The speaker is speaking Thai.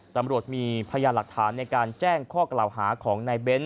ตำรวจมีพยานหลักฐานในการแจ้งข้อกล่าวหาของนายเบ้น